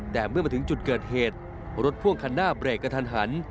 แต่เมื่อมาถึงจุดเกิดเหตุรถพ่วงคันหน้าเบรกกระทันหัน